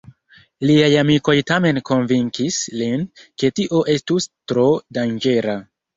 Liaj amikoj tamen konvinkis lin, ke tio estus tro danĝera.